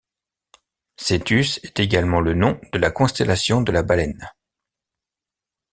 Cetus est également le nom de la constellation de la Baleine.